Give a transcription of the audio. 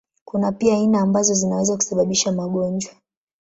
Kuna pia aina ambazo zinaweza kusababisha magonjwa.